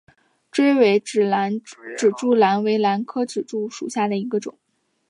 雉尾指柱兰为兰科指柱兰属下的一个种。